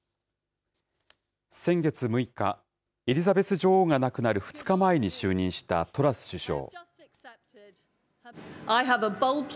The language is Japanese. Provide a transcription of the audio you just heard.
先月６日、エリザベス女王が亡くなる２日前に就任したトラス首相。